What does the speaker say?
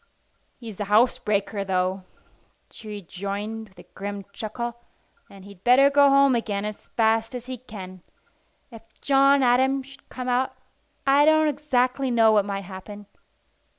"He's a housebreaker, though," she rejoined with a grim chuckle; "and he'd better go home again as fast as he can. If John Adam should come out, I don't exactly know what might happen.